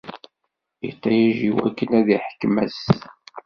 Iṭij iwakken ad iḥkem ass.